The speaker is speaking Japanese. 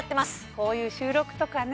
こういう収録とかね